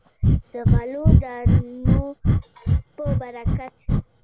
د غلو دانو په برکت.